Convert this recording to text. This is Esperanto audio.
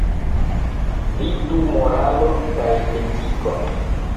Vidu moralon kaj etikon.